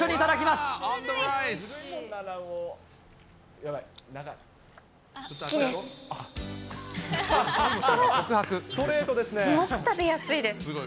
すごく食べやすいです。